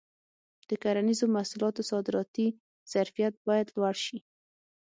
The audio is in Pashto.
د کرنیزو محصولاتو صادراتي ظرفیت باید لوړ شي.